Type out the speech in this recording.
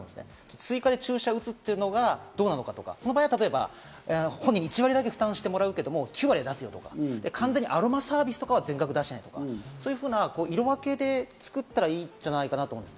追加で注射を打つのがどうかとか、その場合、本人に１割だけ負担してもらうけど、９割出すとか、完全にアロマサービスとかは全額出さないとか、色分けで作ったらいいんじゃないかと思います。